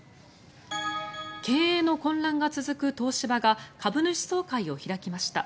経営の混乱が続く東芝が株主総会を開きました。